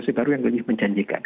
itu yang baru yang lebih menjanjikan